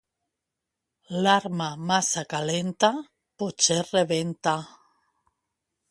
L'arma massa calenta, potser rebenta.